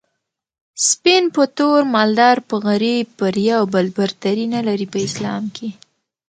سپين په تور مالدار په غريب پر يو بل برتري نلري په اسلام کي